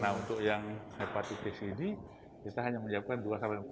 nah untuk yang hepatitis ini bisa hanya menjawabkan dua empat dulu